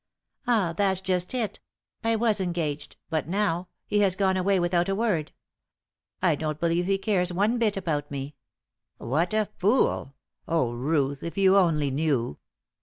"Ah! that's just it. I was engaged, but now he has gone away without a word. I don't believe he cares one bit about me." "What a fool! Oh, Ruth, if you only knew!"